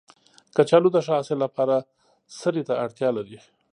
کچالو د ښه حاصل لپاره سرې ته اړتیا لري